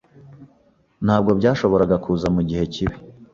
Ntabwo byashoboraga kuza mugihe kibi.